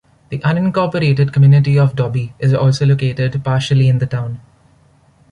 The unincorporated community of Dobie is also located partially in the town.